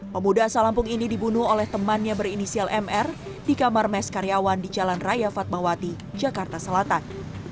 pemuda asal lampung ini dibunuh oleh temannya berinisial mr di kamar mes karyawan di jalan raya fatmawati jakarta selatan